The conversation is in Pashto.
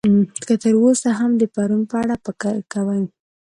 که تر اوسه هم د پرون په اړه فکر کوئ.